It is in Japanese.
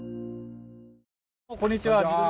こんにちは。